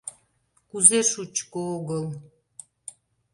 — Кузе шучко огыл?